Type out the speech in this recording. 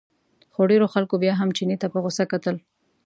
خو ډېرو خلکو بیا هم چیني ته په غوسه کتل.